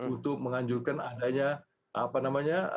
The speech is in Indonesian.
untuk menganjurkan adanya